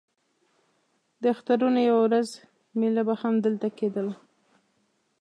د اخترونو یوه ورځ مېله به هم همدلته کېدله.